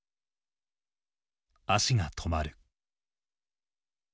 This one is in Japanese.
「足がとまる」。